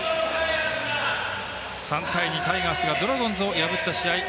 ３対２、タイガースがドラゴンズを破った試合。